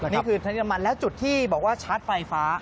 นี่คือทะเลมันแล้วจุดที่บอกว่าชาร์จไฟฟ้า